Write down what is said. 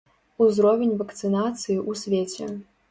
Узровень вакцынацыі ў свеце.